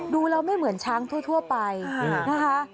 ดูแล้วไม่เหมือนช้างทั่วไปนะคะ